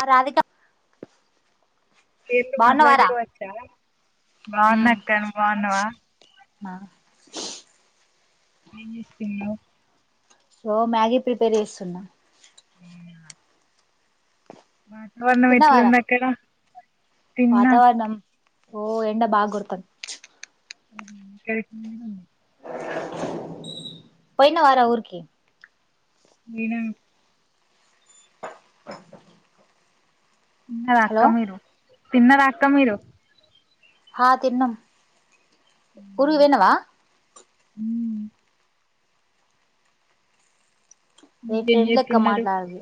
ఆ రాధిక ఇళ్ళలు బాగున్నవారా మాొదలాడుకోవచ్చా బాగున్నా అక్క నువ్వు బాగున్నావా ఆ ఏం చేస్తున్నావ్ సో మ్యాగీ ప్రిపేర్ చేస్తున్నా అవున వాతావరణం ఎట్ల తిన్నవారా ఉంది అక్కడ తిన్నా వాతావరణం ఓ ఎండ బాకొడుతుంది ఇక్కడ ఎండ ఉంది పోయిన వార ఊరికి పోయిన ఆ తిన్నారా అక్క మీరు తిన్న రా అక్క మీరు ఆ తిన్న ఊరికి పోయినావ హ రే ఇంకేం ఫ్రెండ్ లెక్క చేస్తున్నారు మాట్లాడదు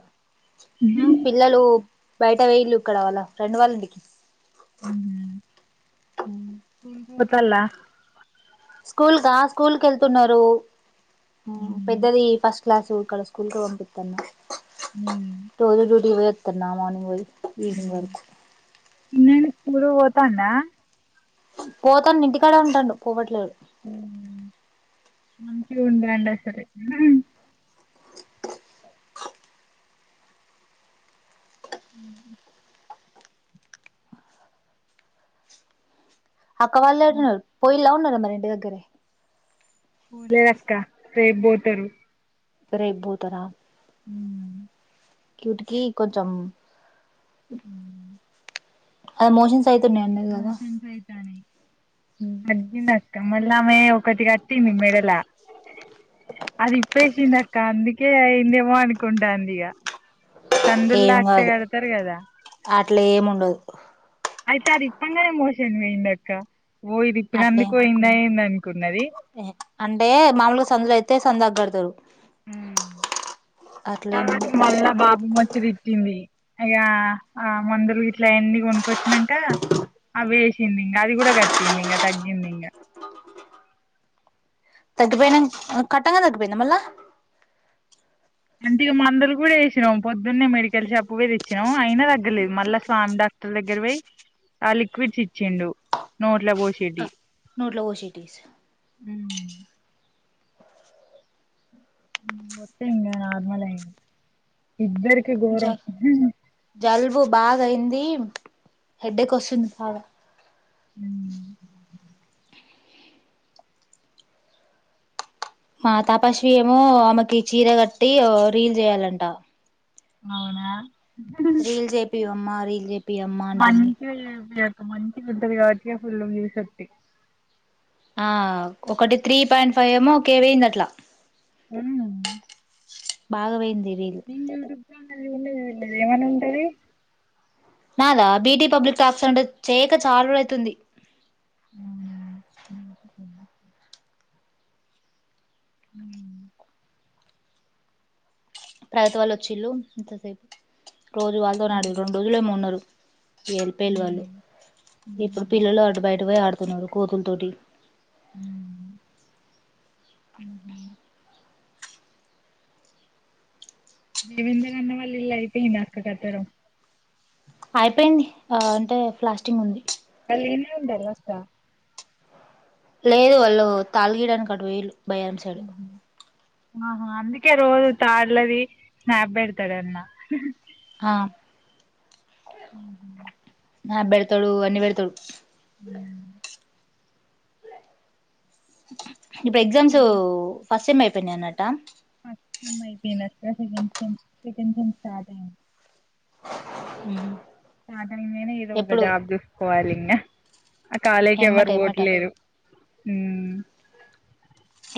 పిల్లలు బయట వేళు ఇక్కడ వాళ్ళ ఫ్రెండ్ వాళ్ళ ఇంటికి అ స్కూల్ పో [unintelligible] స్కూల్గా స్కూల్ క వెళ్తున్నారు ఉ పెద్దది ఫస్ క్లాసు ఇక్కడ స్కూల్కే వంపిత్తాన్న రోజు డ్యూటీ కి పోయత్ తున్న మార్నింగ్ పోయి ఈవినింగ్ వరకు గూడ పోతాండ పోతాన్న ఇంటికాడె ఉంటాండు పోవట్లేదు. హ్మ్ మంచిగుంటాండ సరే అ అక్క వాళ్ళేడున్నరు పోయిల్లా ఉన్నార? మన ఇంటి దగ్గరే పోలేదక్క రేబ్బోతరు. రేబ్బోతరా ఉమ్ డ్యూటీ కి కొంచం అది మోషన్స్ అయితున్నయి అన్నది గదా అర్జెంట్ అస్ క్కమ్మోకళ్లామే ఒకటి కట్టింది మెడల అది ఇప్పేసిందక్క, అందుకే అయిందేమో అనుకుంటాందిగ. సందుల్తాక్తే కడతరు గదా అట్లేముండదు అయితే అదిప్పంగనే మోశన్ పోయిందక్క ఓ ఇదిప్పీనందుకు పోయింద ఎందని ఎహె అంటే మాములుగ సందులయిత్ తే సందాక్గడతడు. హ్మ్ ఏమి ఉండదు తర్వాతకి మళ్ళా బాపమ్మ ఒచ్చి తిట్టింది. అ ఇగా ఆ మందులు గిట్లా అయన్ని గొనుక్కొచ్చి చ్చినంకా అవ్వి ఏష్ సిందింగ అది గూడా కట్టిందింగ తగ్గిందింగ. కట్టిపోయినంక్ అ కట్టంగనే తగ్గిపోయిందా మళ్ళా? అంటే ఇగ మందులు గూడ వేసినాం పొద్దున్నే మెడికల్ షాప్కు పోయ్ తెచ్చినాం, అయినా తగ్గలేదు. మళ్ళా స్వామి డాక్టర్ దగ్గర పోయి ఆ లిక్విడ్స్ ఇచ్చిండు నోట్ల పోసేటియి నోట్ల పోషేటియ్ స్ ఉమ్ మొత్తంగా నార్మలయింది జ జలుబు బాగాయింది హెడేకోస్తుంది బాగా ఉమ్ మా తపస్వి ఏమో ఆమెకి చీర కట్టి ఓ రీల్ చేయాలంట అవునా. రీల్ జేపివమ్మా. రీల్ చేప్. మంచిదే చెప్పిం. మంచిగుంటది కాబట్టి ఫుల్ మీ సక్తి. ఆహ్ ఒకటి త్రీ పాయింట్ ఫైవ్ ఏమో కే పోయింది అట్లా. అవునా. బాగావోయింది. నిల్ [unintelligible] ఏమన్నా ఉంటనే. నాదా బీటి పబ్లిక్ టాక్స్ అంటే చేయక చాలా రోజులైతుంది. అవునా. ఉమ్. ప్రగతి వాళ్ళు వచ్చిండ్లు ఇంతసేపు. రోజు వాళ్ళతోనే ఆడిండ్రు రెండు ఉమ్ రోజులేమో ఉన్నారు. ఇగ ఏళ్ళి పోయిండ్రు వాళ్ళు ఇప్పుడు ఉమ్ పిల్లలు అటు బయట పోయి ఆడుత్. పోయినారు కోతులు తోటి. ఉమ్ ఉమ్మ్. దేవేంద్ర అన్న వాళ్ళ ఇల్లు అయిపోయిందా అక్క కట్టడం. అయిపోయింది ఆహ్ అంటే. ప్లాస్టింగ్ ఉంది. తెలియదాక్క. లేదు వాళ్ళు తాళు గీయడానికి అటు పోయిండ్రు. భయాంశాడు. ఆహా అందుకే రోజు తాడ్లది స్నాప్ పెడతాడు అన్న. ఆహ్. ఉమ్మ్. స్నాప్ పెడతాడు అన్ని పెడతాడు. ఇప్పుడు ఎక్జామ్స్. ఫస్ట్ సేమ్ అయిపోయినాయి అన్నట్ట. ఫస్ట్ సేమ్ అయిపోనయి ఇక second sem second sem start అయింది. హుమ్. స్టార్టింగులోనే ఏదో ఒక జాబు చుసుకోవాలి ఇంకా. ఆ కాలేజ్ ఎమ్మట ఎమ్మట ఎవ్వరుపోవట్లేదు. హ్మ్మ్.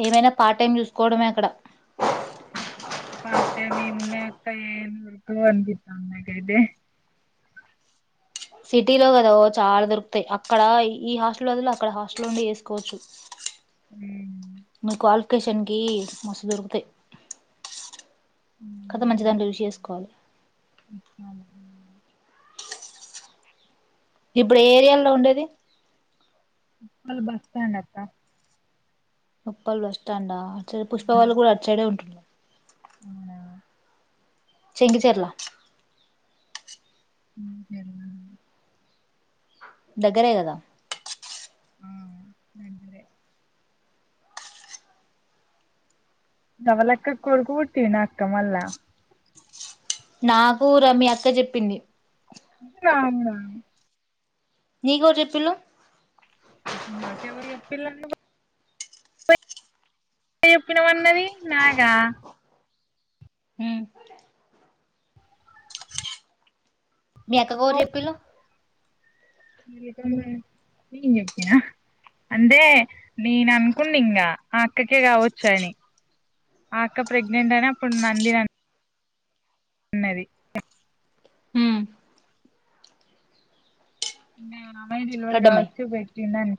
ఏమైనా పార్ట్ టైం చూసుకోవడమే అక్కడ. పార్ట్ టైమ్ ఏం ఉన్నాయి అక్క ఏం దొరకవు అనిపితాంది నాకు అయితే. సిటీలో కదా ఓ చాలా దొరుకుతాయి అక్కడ ఈ హాస్టల్ వదులు అక్కడ హాస్టల్ నుండి వేసుకోవచ్చు మీ కాల్ లొకేషన్ కి మస్తు దొరుకుతాయి కదా మంచి దాంట్లో ఇవి చేసుకోవాలి ఇప్పుడు ఏ ఏరియాల్లో ఉండేది మల్ బస్ స్టాండ్ అక్కా ఉక్కల్ బస్ స్టాండా సరే పుష్పవాళు కూడా అటు సైడే ఉంటు ఉందా చెంగి చెర్లా ఊర్ కెల్నా దగ్గరే కదా హుమ్ అంతే నవలక్కకు కొడుకు పుట్టినాడు అక్క మాల్ల నాకు రమ్య అక్క చెప్పింది అవునా నీకె ఎవరు చేప్పిను నాకెవరు చేప్పిలన్న నువే చెప్పినామన్నది నాగా ఉమ్. మీ అక్కగరు చెప్పిలు నేను చెప్పిన అంటే నేను అనుకుంన్ని ఇన్నా అక్కకే కావోచ్చు అని ఆ అక్క ప్రెగ్నెంట్ అని అప్పుడు అందిన అన్నది ఉమ్. బా మా అమ్మాయి డెల్వరి రెడ్డమ్మాయి కావచ్చు బోయి టిన్న నం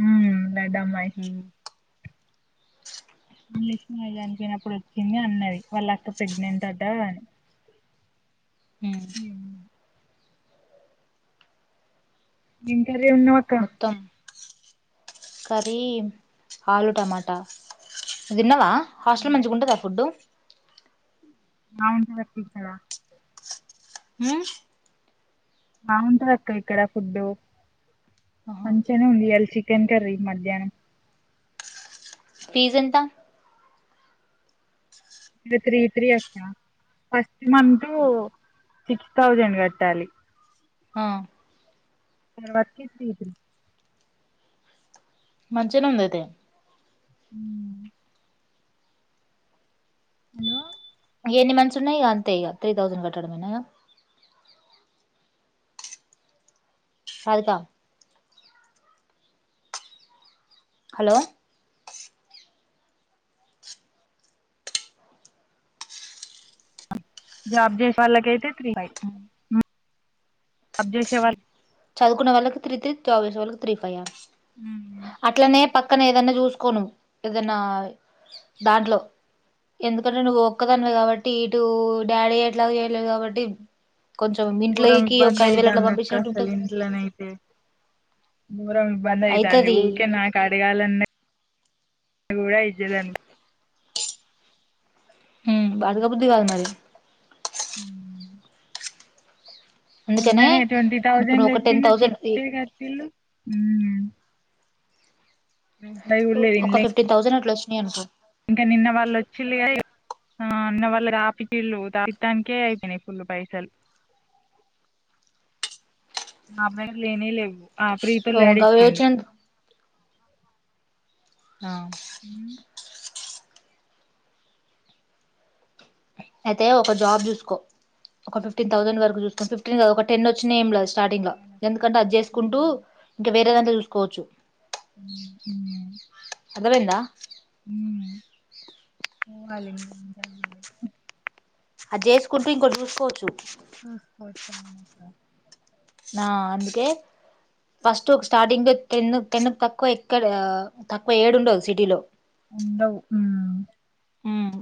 హ దడ అమ్మాయి ఉమ్. మలీష్ మజానినికియినప్పుడు వచ్చింది అన్నది వాళ్ళు అక్కడ ప్రెగ్నెంట్ అంట అని ఉమ్. ఇంత ఎ ఉన్నా మాక్క కరీ ఆలుూ టమాటా నువు దిన్నవా హాస్టల్ మంచిగా ఉంటుందా ఫుడ్డు నా ఎంత పర్తక్కద హ బాగుంటది అక్క ఇక్కడ ఫుడ్డు మంచిగానే ఉంది ఇళ చికెన్ కర్రీ మధ్యాహ్నం ఫీజ్ ఎంత ఇ త్రీ త్రీ అక్కా ఫస్ట్ మంతు సిక్స్ థౌజండ్ కట్టాలి ఆ వకిీల్ తీదుల్ మంచిగానే ఉంది అయితే హ హలో ఏన్ని మన్ సన్నాయి అంతే త్ర ౌసండ్ట్ కట్టడమేనా సాదికా హలో జబ్జసల్ాలకితే జాబ్ చేసే వాల్ చదువునే వాళ్ళకి త్రీ త్రీ జాబ్ చెస్ వాళ్ళకు అయితే త్రీ ఫైవ్ ఆ అట్లనే పక్కన ఏదన్నా చూసుకోను ఏదైనా దాంట్లో ఎందుకంటే నువ్వు ఒక్కదనివి కాబట్టి ఇటు డాడీ ఎట్లాగ చేయలేదు కాబట్టి కొంచెం ఘోరం ఇంట్లోకి ఒక ఐదు వేల అట్లా పంపించినట్టుంటుది స దూరం ఇబ్బంది అవుత అంంది అయితది ఊకే నాకు అడగాలన్న కూడా ఇజజదండి బాధగాబుద్ధదివాదు మరి ఉ అందుకనే ముందనే ట్వంటీ ఇప్పుడు థౌజండ్ నువ్వు ఒక టెన్ తెచ్చిండు థౌజండ్ చిట్టే కట్టీలు కూడా లేదు ఒక ఇండ్ల ఫిఫ్టీన్ ౌసండ్ పలష్ అనుకో ఇంకా నిన్న వాళ్ళు వచ్చిళ్ళ నిన్న వాళ్ళు దాపిటిళు దాపిడాానికే అయిపోయినాయి ఫుల్లు పైసలు మా అమాయి లేనే లేవు ఆ ప్రీత డీ గవి ఇచ్చిండు వచ్చినందు ఆ ఉమ్, అయితే ఒక జాబ్ చూసుకో ఒక ఫిఫటీన్ ౌజడ్ వర ఉమ్, చూస్తం ఫి్టీన్ ఒక టెన్ వచ్చా ఏం లేదు స్టార్టింగ్ లో పోవాలక్క. ఎందుకంటే అది చేసుకుంటూ ఉమ్, ఇంకా వేరే అ తీూసుకోవచ్చు ఉమ్, ఉమ్, అర్థమైందా ఓ అాల అది చేసుకుంటూ ఇంకో చూసుకోవచ్చు ఆఫ్కోర్స్ అవును అక్క ఆ అందుకే ఫస్ట్ స్టార్టింగ్ టెన్ టెన్ తక్కువ ఎక్కడ తక్కువ ఏడు ఉండదు సిటీలో ఉండవు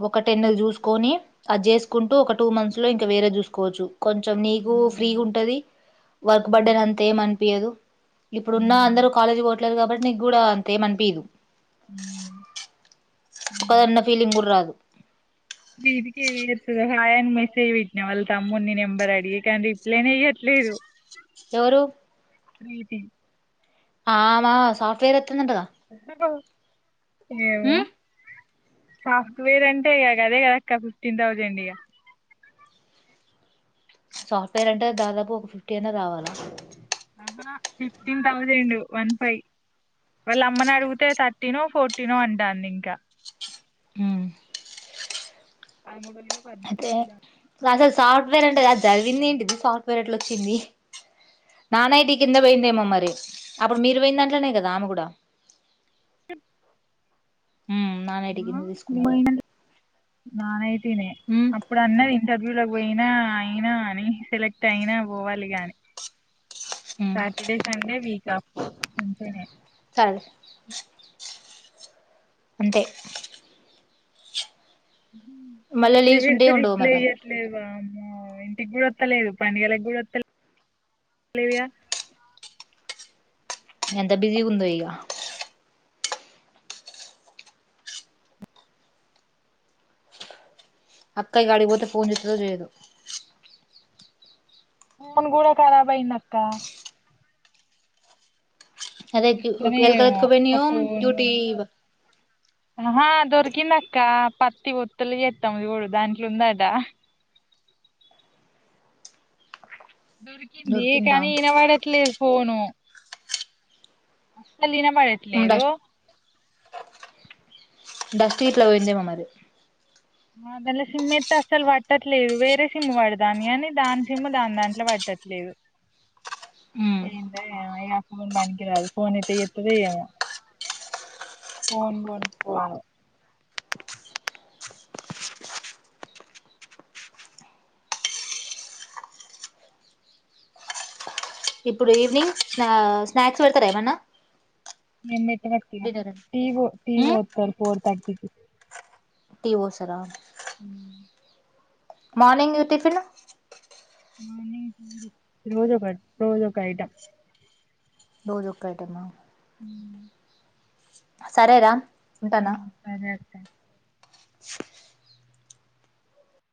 ఒక టెన్న నెలు చూసుకొని అది చేసుకుంటూ ఒక టూ మంత్స్ లో ఇంకా వేరే చూసుకోవచ్చు కొంచెం నీకు ఫ్రీగా ఉమ్, ఉంటుంది వర్క్ బర్డెన్ ఉమ్, అంత ఏమీ అనిపియదు ఇప్పుడు ఉన్న ఉమ్, అందరూ కాలేజ్ పోవట్లేదు కాబట్టి నిక్కుడా అంతేమనిపిదు ఉమ్, ఒకదన్న ఫీలింగ్ కూడా రాదు మీదికి ఏస్తు హాయని మెసేజ్ పెట్టినా వాళ్ళ తమ్మునిీ నెంబర్ అడిగి కానీ రిప్లైనే వేయ్యట్లేదు ఎవరు రైటే ఆమ సాఫ్ట్ ట్వేర్ ఎ ఏమొ హ్మ్ సాఫ్ట్ వేర్ అంటే ఇగ అదే కదక్క ఫిఫ్టీన్ థౌసండ్ ఇగ సాఫ్ట్వేర్ అంటే దాదాపు ఒక ఫిఫ్టీ అయినా కావాలా ఫిఫ్టీన్ ౌజండ్ వన్ ఫైవ్ వాళ్ళ అమ్మని అడిగితే థర్టీనో ఫోర్టీన్ో అంటాంది ఇంకా అ ఆ మే అయితే క్లాసెస్ సట్ ేం అది సదివింది ఏంటిది సఫ్ ఫ్టవేర్ ఏట్లోచ్చింది నాన్ ఐ టి కింద పోయిందేమో మరి అప్పుడు మీరు పోయిందంట్లనే కదా ఆమె కూడా చె ఉమ్ నానేటి కింద తీసుకున్నారు నాన్ ఐ టి నే ఉమ్ అప్పుడు అన్నది ఇంటర్వ్యూ ల పోయినా అయినా అని సెలెక్ట్ అయినా పోవాలి గాని ఉమ్ సాటర్డే సండే వీక్ ఆఫ్ మంచేనే సరే అంతే మళ్ళా మెసే జ్ లీవ్స్ ఉంటే పేడుతే ఉండవు రిప్లై మరి మరి ఇవ్వట్లేదు వం ఇంటికి గుడోత్తలేదు పండుగలకు ఒత్తలేదుగా ఎంత బిజీగుండో ఇగా అక్కయిగా అడికి పోతే ఫోన్ చిత్తదో చేయదో ఫోన్ కూడా కరాబ్ అయిందక్క అదే క్యూ ఎట్లనే ఎల్క ఏమో లేత్తుకపోయియె డ్యూటీ బ అ హా దొరికిందక్క పత్తి ఒత్తులు చెత్తము చుడు దాంట్ల ఉందట దొరికింది దొరికిందా కానీ ఈన పడట్లేదు ఫోను మళ్ళిన పడట్లేదు డస్ట్ డస్ట్ గిట్ల పోయిందేమో మరి అ దంట్ల సిమ్ ఏతే అసలు పట్టట్లేదు వేరే సిమ్ పడుతాంది కాని దాని సిమ్ దాని దాంట్ల పట్టట్లేదు ఉమ్ ఏందో ఏమో ఇగ ఆ ఫోన్ పనికిరాదు ఫోన్ ఎట్లా చెత్తదో ఏమో ఫోన్ కొనుక్కోవాలె ఇప్పుడు ఈవినింగ్ స్నా స్నాక్స్ పెడుతరా ఏమన్నా నిన్న పట్టిన డిన్నర్ టీ పో టీ ఉమ్ పోత్తరు థర్టీ టూ టీ పోస్తరా. హ్ మార్నింగ్ ది టిఫిన్ రోజు ఒకటి రోజు ఒక ఐటెం. రోజు ఒక్కటేనా. ఉ సరేరా హ్ ఉంటానా అదే అక్కా.